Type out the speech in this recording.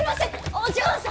お嬢様！